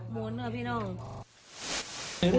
มูลเหรอพี่น้อง